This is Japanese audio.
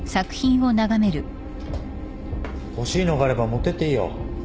欲しいのがあれば持ってっていいよ。